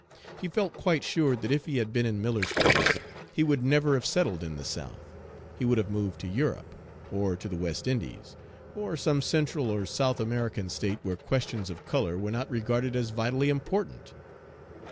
He felt quite sure that if he had been in Miller's place, he would never have settled in the South he would have moved to Europe, or to the West Indies, or some Central or South American state where questions of color were not regarded as vitally important.